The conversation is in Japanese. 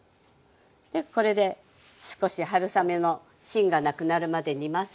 これで少し春雨の芯がなくなるまで煮ます。